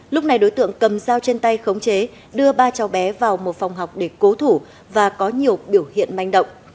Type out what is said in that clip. lúc này đối tượng cầm dao trên tay khống chế đưa ba cháu bé vào một phòng học để cố thủ và có nhiều biểu hiện manh động